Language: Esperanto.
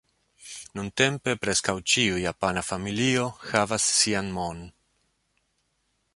Nuntempe preskaŭ ĉiu japana familio havas sian "mon".